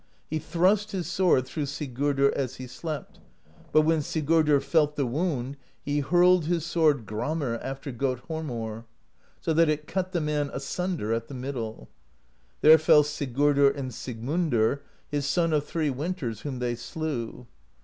He thrust his sword through Sigurdr as he slept; but when Sigurdr felt the wound, he hurled his sword Gramr after Gotthormr, so that it cut the man asunder at the middle. There fell Sigurdr and Sigmundr, his son of three win ters, whom they slew.